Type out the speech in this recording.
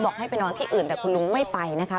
ให้ไปนอนที่อื่นแต่คุณลุงไม่ไปนะคะ